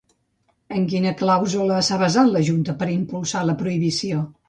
En quina clàusula s'ha basat la junta per impulsar la prohibició?